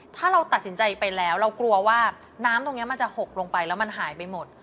ถ้าเราตัดสินใจไปแล้วเรากลัวว่าน้ำตรงนี้มันจะหกลงไปแล้วมันหายไปหมด